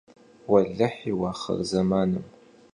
Уэлэхьи, уахъырзэманым!